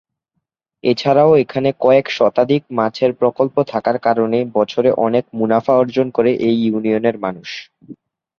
এছাড়াও এখানে কয়েক শতাধিক মাছের প্রকল্প থাকার কারণে বছরে অনেক মুনাফা অর্জন করে এই ইউনিয়নের মানুষ।